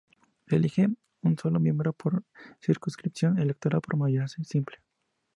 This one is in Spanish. Se elige un solo miembro por circunscripción electoral por mayoría simple.